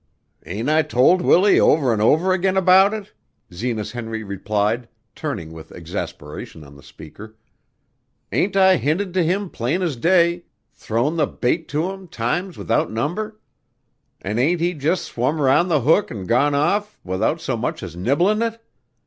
"Ain't I told Willie over an' over again about it?" Zenas Henry replied, turning with exasperation on the speaker. "Ain't I hinted to him plain as day thrown the bait to him times without number? An' ain't he just swum round the hook an' gone off without so much as nibblin' it?